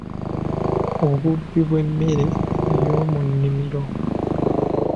Obubbi bw’emmere eyoomunnimiro.